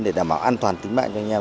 để đảm bảo an toàn tính mạng cho anh em